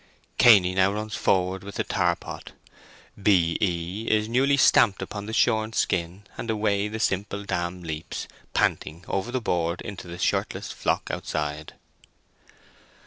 Cainy now runs forward with the tar pot. "B. E." is newly stamped upon the shorn skin, and away the simple dam leaps, panting, over the board into the shirtless flock outside.